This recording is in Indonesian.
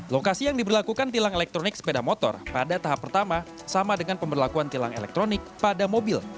lokasi yang diberlakukan tilang elektronik sepeda motor pada tahap pertama sama dengan pemberlakuan tilang elektronik pada mobil